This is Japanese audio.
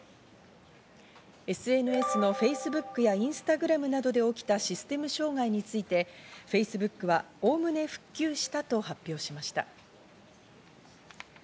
ＳＮＳのフェイスブックやインスタグラムなどで起きたシステム障害についてフェイスブックはおおむね復旧したと発表しました。